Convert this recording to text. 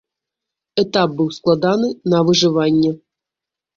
Этап быў складаны, на выжыванне!